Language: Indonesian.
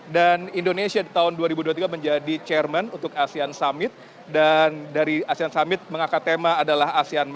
dan indonesia di tahun dua ribu dua puluh tiga menjadi chairman untuk asean summit dan dari asean summit mengangkat tema adalah